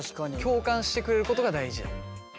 共感してくれることが大事。